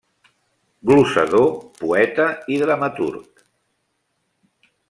Glosador, poeta i dramaturg.